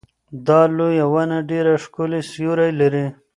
دا لویه ونه ډېر ښکلی سیوری لري.